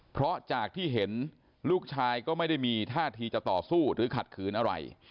เพราะจากที่เห็นลูกชายก็ไม่ได้มีท่าทีจะต่อสู้หรือขัดขืนอะไร